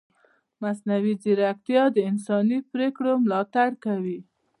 مصنوعي ځیرکتیا د انساني پرېکړو ملاتړ کوي.